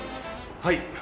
はい。